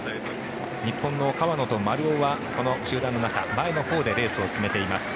日本の川野と丸尾はこの集団の中前のほうでレースを進めています。